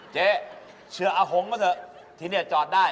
เจ๊เชื่ออาหงมาเถอะที่นี่จอดได้